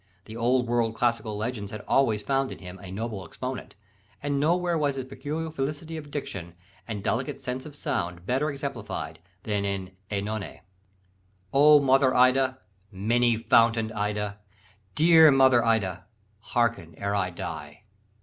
The old world classical legends had always found in him a noble exponent; and nowhere was his peculiar felicity of diction and delicate sense of sound better exemplified than in OEnone. "'O mother Ida, many fountain'd Ida, Dear mother Ida, harken ere I die.